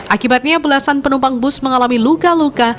akibatnya belasan penumpang bus mengalami luka luka